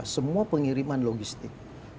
semua pengiriman logistik